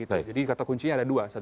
jadi kata kuncinya ada dua